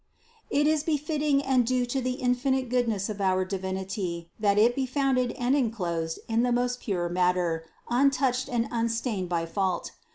193. "It is befitting and due to the infinite goodness of our Divinity, that It be founded and enclosed in the most pure matter, untouched and unstained by fault.